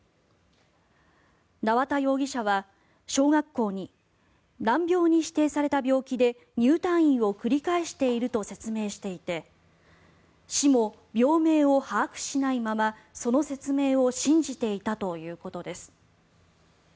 縄田容疑者は小学校に難病に指定された病気で入退院を繰り返していると説明していて市も病名を把握しないままその病名を信じていたということです。